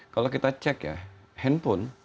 kalau kita cek ya handphone